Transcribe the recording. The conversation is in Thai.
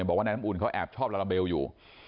บอกว่านายน้ำอุ่นเขาแอบชอบลาลาเบลอยู่